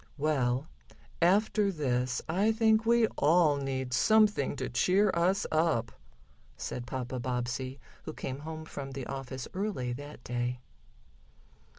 "Well, after this I think we all need something to cheer us up," said Papa Bobbsey, who came home from the office early that day.